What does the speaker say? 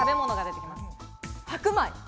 白米。